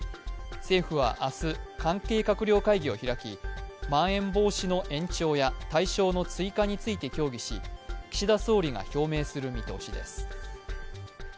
政府は明日、関係閣僚会議を開き、まん延防止の延長や対象の追加について協議し岸田総理が表明する見通しです。